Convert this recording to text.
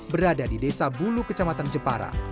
berada di desa bulu kecamatan jepara